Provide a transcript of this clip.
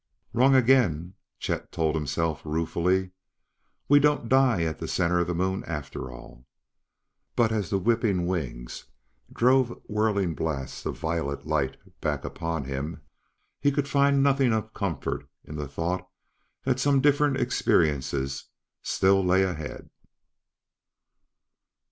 "Wrong again!" Chet told himself ruefully. "We don't die at the center of the Moon, after all!" But, as the whipping wings drove whirling blasts of violet light back upon him he could find nothing of comfort in the thought that some different experience still lay ahead.